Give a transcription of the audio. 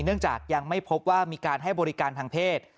เนื่องจากยังไม่พบว่ามีการให้บริการทางเพศ